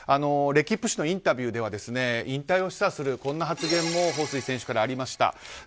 レキップ紙のインタビューでは引退を示唆する発言もホウ・スイ選手からありました。